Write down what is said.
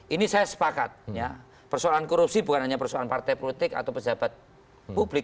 ini saya sepakat persoalan korupsi bukan hanya persoalan partai politik atau pejabat publik